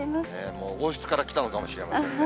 もう王室から来たのかもしれませんね。